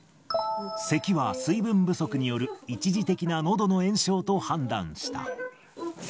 せきは水分不足による一時的なのどの炎症と判断した。